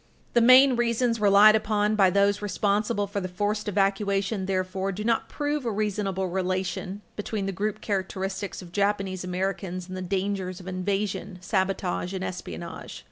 The main reasons relied upon by those responsible for the forced evacuation, therefore, do not prove a reasonable relation between the group characteristics of Japanese Americans and the dangers of invasion, sabotage and espionage.